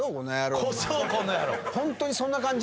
ホントにそんな感じ。